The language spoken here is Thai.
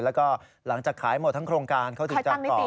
แล้วก็หลังจากขายหมดทั้งโครงการเขาถูกจำต่อ